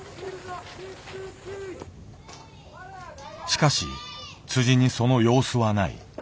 しかしにその様子はない。